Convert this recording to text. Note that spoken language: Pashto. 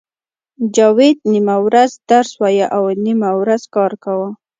جاوید نیمه ورځ درس وایه او نیمه ورځ کار کاوه